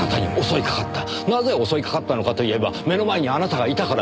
なぜ襲いかかったのかといえば目の前にあなたがいたから。